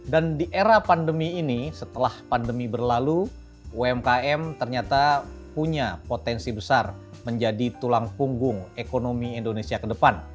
dan di era pandemi ini setelah pandemi berlalu umkm ternyata punya potensi besar menjadi tulang punggung ekonomi indonesia ke depan